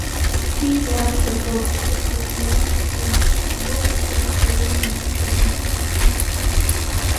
Пий-влакше, прогулкыш лукмылан шотлен, йолыштымо керемым чымен шупшыныт.